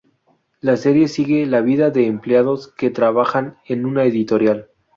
La serie sigue la vida de empleados que trabajan en una editorial.